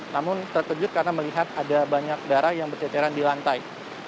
namun terkejut karena melihat ada banyak darah yang berceceran di lantai